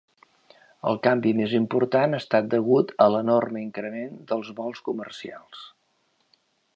El canvi més important ha estat degut a l'enorme increment dels vols comercials.